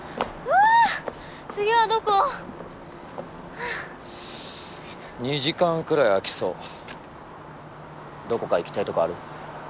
ハァ疲れた２時間くらい空きそうどこか行きたいとこある？